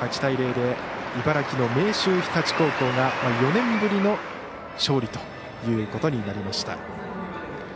８対０で茨城の明秀日立高校が４年ぶりの勝利ということになりました。